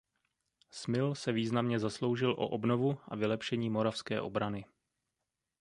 Smil se významně zasloužil o obnovu a vylepšení moravské obrany.